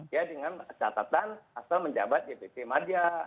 ya dengan catatan asal menjabat dpp madya